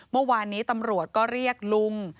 เมื่อวานนี้ตำรวจก็เรียกลุง